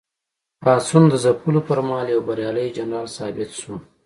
پاڅون د ځپلو پر مهال یو بریالی جنرال ثابت شو.